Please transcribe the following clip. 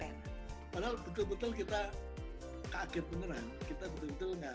seperti undang undang sistem pendidikan nasional undang undang retanggu dan dpr